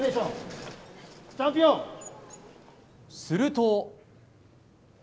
すると。